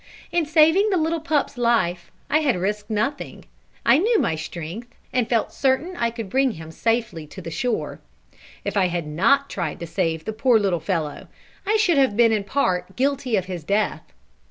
In saving the little pup's life, I had risked nothing; I knew my strength, and felt certain I could bring him safely to the shore. If I had not tried to save the poor little fellow I should have been in part guilty of his death.